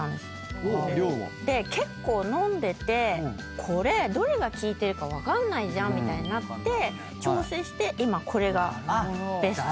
結構飲んでてこれどれが効いてるか分かんないみたいになって調整して今これがベストな。